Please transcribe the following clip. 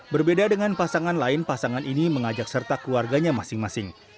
berbeda dengan pasangan lain pasangan ini mengajak serta keluarganya masing masing